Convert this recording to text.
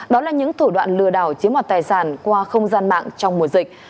đó là những thủ đoạn lừa đảo chiếm hoạt tài sản qua không gian mạng trong mùa dịch